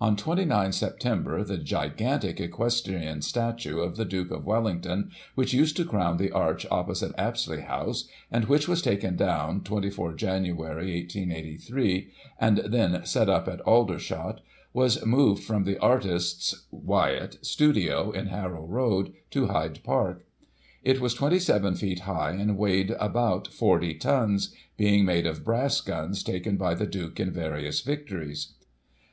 On 29 Sep. the gigantic equestrian statue of the Duke of Wellington, which used to crown the arch opposite Apsley House, and which was taken down 24 Jan., 1883, and then set up at Aldershot, was moved from the artist's (Wyatt) studio, in Harrow Road, to Hyde Park. It was 27 feet high, and weighed about 40 tons, being made of brass guns taken by the Duke in various victories.